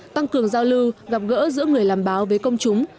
tăng cường giao lưu gặp gỡ giữa người làm báo với công chúng